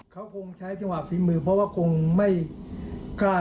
เขาคงใช้จังหวะฝีมือเพราะว่าคงไม่กล้า